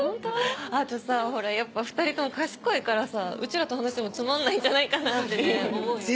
あとさほらやっぱ２人とも賢いからさうちらと話してもつまんないんじゃないかなって思うよね。